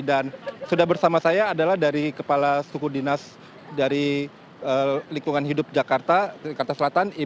dan sudah bersama saya adalah dari kepala sukudinas dari lingkungan hidup jakarta jakarta selatan